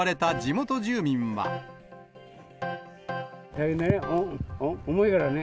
大変だよ、重いからね。